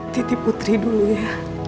titip putri dulu ya